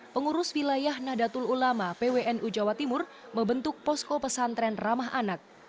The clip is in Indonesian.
pengurus wilayah nadatul ulama pwnu jawa timur membentuk posko pesantren ramah anak